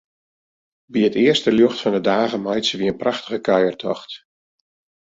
By it earste ljocht fan 'e dage meitsje wy in prachtige kuiertocht.